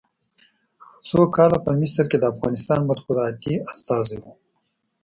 څو کاله په مصر کې د افغانستان مطبوعاتي استازی و.